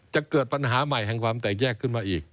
จะเกิดปัญหาใหม่แห่งความแตกแยกขึ้นมาอีก